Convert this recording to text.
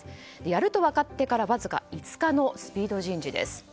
やると分かってからわずか５日のスピード人事です。